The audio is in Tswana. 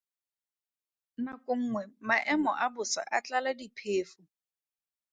Nako nngwe maemo a bosa a tlala diphefo.